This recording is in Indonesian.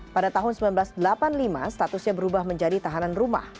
pada tahun seribu sembilan ratus delapan puluh lima statusnya berubah menjadi tahanan rumah